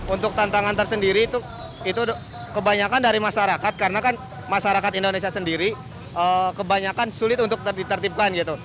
untuk tantangan tersendiri itu kebanyakan dari masyarakat karena kan masyarakat indonesia sendiri kebanyakan sulit untuk ditertipkan gitu